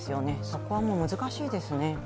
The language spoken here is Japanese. そこはもう難しいですね。